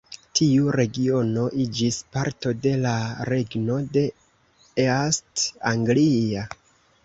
Tiu regiono iĝis parto de la regno de East Anglia.